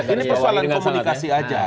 ini persoalan komunikasi aja